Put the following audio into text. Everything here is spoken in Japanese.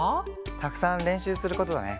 たくさんれんしゅうすることだね。